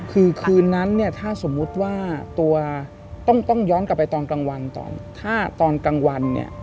คือคืนนั้นเนี่ยถ้าสมมุติว่าตัวต้องย้อนกลับไปตอนกลางวันก่อนถ้าตอนกลางวันเนี่ย